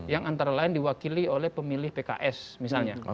yang antara lain diwakili oleh pemilih pks misalnya